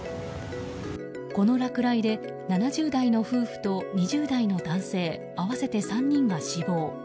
この落雷で７０代の夫婦と２０代の男性合わせて３人が死亡。